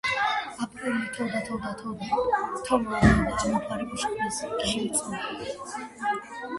ამ გამარჯვებას უდიდესი მნიშვნელობა ჰქონდა საქართველოსთვის.